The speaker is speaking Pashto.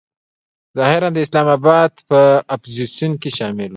ظاهراً د اسلام آباد په اپوزیسیون کې شامل و.